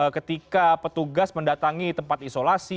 ketika petugas mendatangi tempat isolasi